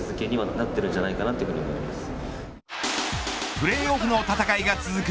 プレーオフの戦いが続く